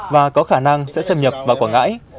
và có khả năng sẽ xâm nhập vào quảng ngãi